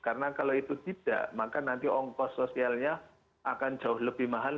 karena kalau itu tidak maka nanti ongkos sosialnya akan jauh lebih mahal